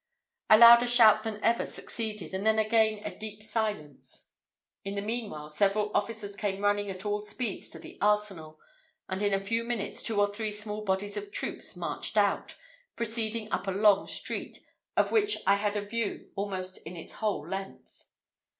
A louder shout than ever succeeded, and then again a deep silence. In the meanwhile, several officers came running at all speed to the arsenal; and in a few minutes, two or three small bodies of troops marched out, proceeding up a long street, of which I had a view almost in its whole length.